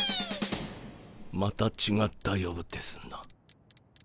またちがったようですな。